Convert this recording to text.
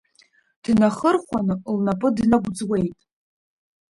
Днахырхәаны лнапы днагәӡуеит.